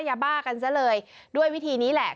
ยาบ้ากันซะเลยด้วยวิธีนี้แหละ